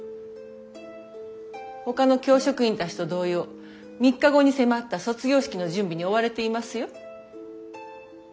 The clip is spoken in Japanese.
ほかの教職員たちと同様３日後に迫った卒業式の準備に追われていますよ。